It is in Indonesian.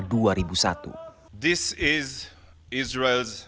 ini adalah sembilan sebelas israel